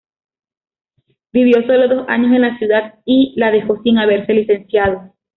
Vivió sólo dos años en la ciudad, y la dejó sin haberse licenciado.